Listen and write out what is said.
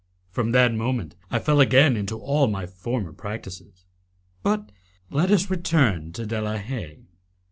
From that moment I fell again into all my former practices. But let us return to De la Haye.